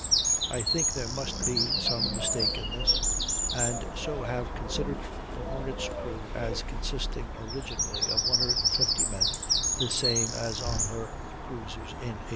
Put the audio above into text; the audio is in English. I think there must be some mistake in this, and so have considered the Hornet's crew as consisting originally of 150 men, the same as on her cruises in 1812.